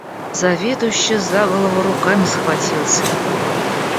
Заведующий за голову руками схватился.